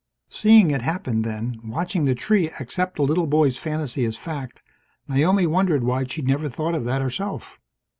Seeing it happen, then, watching the tree accept the little boy's fantasy as fact, Naomi wondered why she'd never thought of that herself.